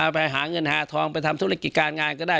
ไปหาเงินหาทองไปทำธุรกิจการงานก็ได้